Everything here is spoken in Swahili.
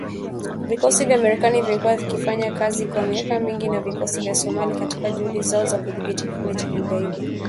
Vikosi vya Marekani vimekuwa vikifanya kazi kwa miaka mingi na vikosi vya Somalia katika juhudi zao za kudhibiti kikundi cha kigaidi.